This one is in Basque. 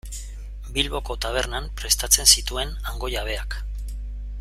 Bilboko tabernan prestatzen zituen hango jabeak.